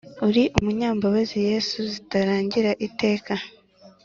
Uri umunyambabazi yesu zitarangira iteka